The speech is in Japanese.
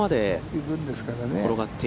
行くんですからね。